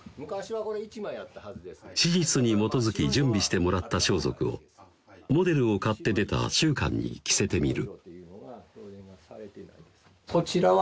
史実に基づき準備してもらった装束をモデルを買って出た宗観に着せてみる